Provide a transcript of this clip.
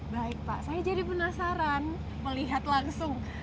baik pak saya jadi penasaran melihat langsung